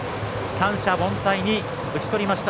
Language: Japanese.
三者凡退に打ち取りました。